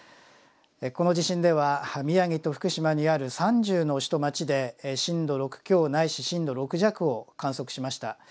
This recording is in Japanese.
この地震では宮城と福島にある３０の市と町で震度６強ないし震度６弱を観測しました。